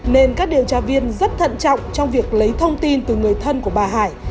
nên các điều tra viên rất thận trọng trong việc lấy thông tin từ người thân của bà hải